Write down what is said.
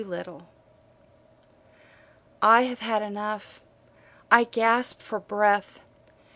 9 Autoplay I have had enough. I gasp for breath.